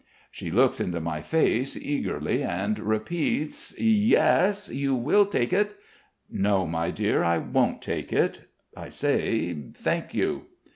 She looks into my face eagerly and repeats: "Yes? You will take it?" "No, my dear, I won't take it....", I say. "Thank you."